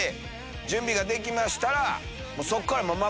準備ができましたら。